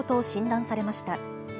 診断されました。